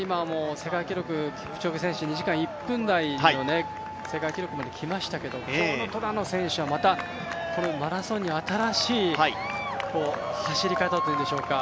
世界記録キプチョゲ選手、２時間１分台の世界記録まできましたけど今日のトラ選手はマラソンに新しい走り方というんでしょうか。